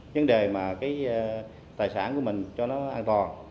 vấn đề mà cái tài sản của mình cho nó an toàn